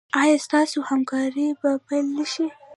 ایا ستاسو همکاري به پیل نه شي؟